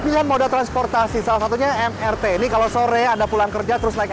pilihan moda transportasi salah satunya mrt ini kalau sore anda pulang kerja terus naik